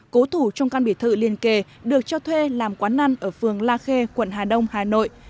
cố thủ trong căn biệt thự liền kề được cho thuê làm quán ăn ở phường la khê quận hà đông hà nội